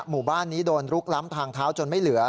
หมู่บ้านนี้โดนลุกล้ำทางเท้าจนไม่เหลือ